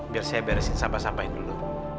biar saya beresin sampah sampahin dulu